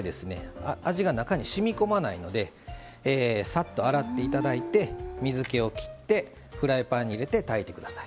味が中にしみこまないのでさっと洗っていただいて水けを切ってフライパンに入れて炊いてください。